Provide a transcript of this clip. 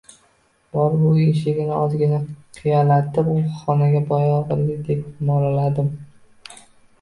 Borib, uy eshigini ozgina qiyalatdim-u, xonaga boyo‘g‘lidek mo‘raladim